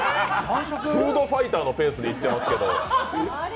フードファイターのペースでいってますけど。